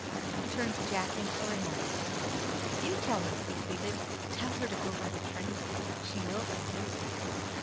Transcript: He turned to Jack imploringly. "You tell her!" he pleaded. "Tell her to go by the trail. She will for you."